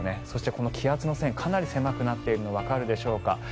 そしてこの気圧の線かなり狭くなっているのわかるでしょうか。